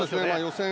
予選